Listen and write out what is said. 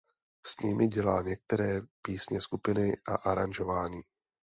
S nimi dělá některé písně skupiny a aranžování.